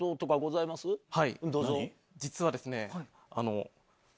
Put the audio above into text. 実はですね。